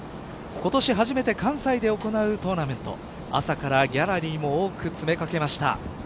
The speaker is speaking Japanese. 今年初めて関西で行うトーナメント朝からギャラリーも多く詰め掛けました。